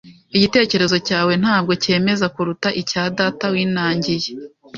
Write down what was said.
Igitekerezo cyawe ntabwo cyemeza kuruta icya data winangiye. .